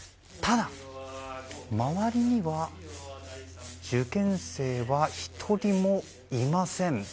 ただ、周りには受験生は１人もいません。